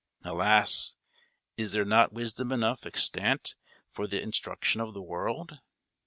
Alas! is there not wisdom enough extant for the instruction of the world?